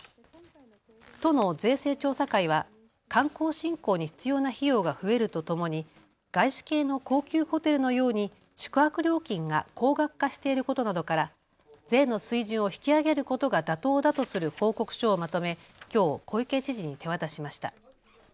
都の税制調査会は観光振興に必要な費用が増えるとともに外資系の高級ホテルのように宿泊料金が高額化していることなどから税の水準を引き上げることが妥当だとする報告書をまとめ、きょう小池知事に手渡しました。